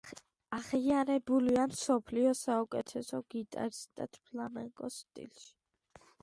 აღიარებულია მსოფლიოს საუკეთესო გიტარისტად ფლამენკოს სტილში.